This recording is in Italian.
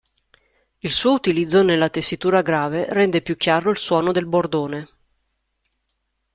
Il suo utilizzo nella tessitura grave rende più chiaro il suono del bordone.